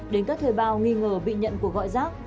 đến các thuê bao nghi ngờ bị nhận của gọi giác